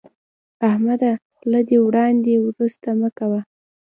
احمده، خوله وړاندې ورسته مه کوه.